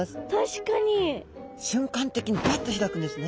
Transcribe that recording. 瞬間的にバッと開くんですね。